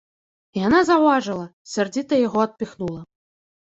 Яна заўважыла, сярдзіта яго адпіхнула.